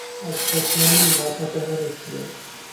A expressão enigmática permanecia.